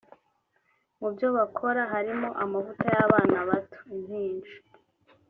Mu byo bakora harimo ; amavuta y’Abana bato (impinja)